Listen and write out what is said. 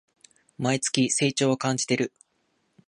毎月、成長を感じてる